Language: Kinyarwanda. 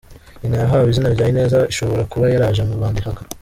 Nyina yahawe izina rya Ineza ishobora kuba yaraje mu Rwanda ihaka.